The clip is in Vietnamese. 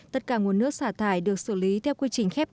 tất cả nguồn nước xả thải được xử lý theo quy trình